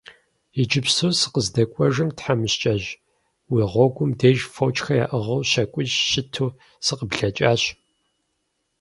Иджыпсту сыкъыздэкӀуэжым, тхьэмыщкӀэжь, уи гъуэгум деж фочхэр яӀыгъыу щакӀуищ щыту сыкъыблэкӀащ.